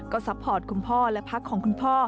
ก็ซัพพอร์ตคุณพ่อและพักของคุณพ่อ